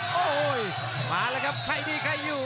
โอ้โหมาแล้วครับใครดีใครอยู่